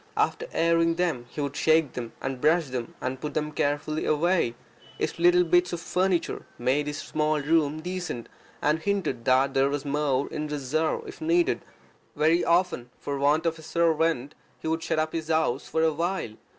After airing them he would shake them, and brush them, and put them on the rock. His little bits of furniture made his small room decent, and hinted that there was more in reserve if needed. Very often, for want of a servant, he would shut up his house for a while.